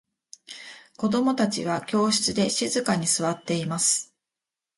子供達は教室で静かに座っています。